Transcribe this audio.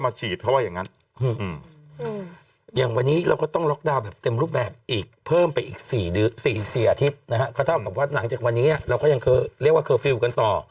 ๔อาทิตย์นะครับเพราะถ้าหากหลังจากวันนี้เราก็ยังเคยเรียกว่าเคอร์ฟิลต์กันต่อ